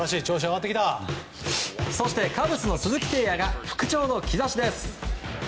そして、カブスの鈴木誠也が復調の兆しです。